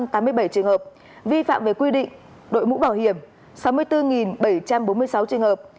hai mươi chín sáu trăm tám mươi bảy trường hợp vi phạm về quy định đội mũ bảo hiểm sáu mươi bốn bảy trăm bốn mươi sáu trường hợp